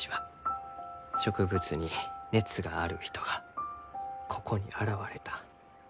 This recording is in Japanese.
植物に熱がある人がここに現れた。